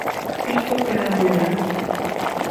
Isto queda moi ben.